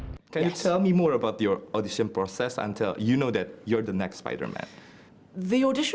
bisa beritahu saya lebih banyak tentang proses audisi anda sampai anda tahu bahwa anda adalah spider man yang seterusnya